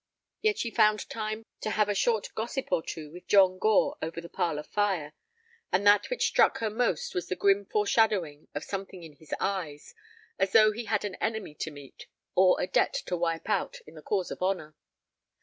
Yet she found time to have a short gossip or two with John Gore over the parlor fire, and that which struck her most was the grim foreshadowing of something in his eyes, as though he had an enemy to meet or a debt to wipe out in the cause of honor.